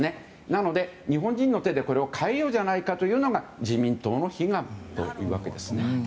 なので、日本人の手でこれを変えようじゃないかというのが自民党の悲願だというわけですね。